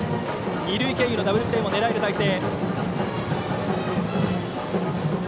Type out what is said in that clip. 二塁経由のダブルプレーも狙える態勢。